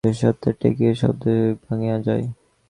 শেষরাত্রে টেকির শব্দে ঘুম ভাঙিয়া যায়।